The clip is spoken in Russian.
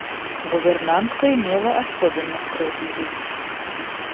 Гувернантка имела особенно строгий вид.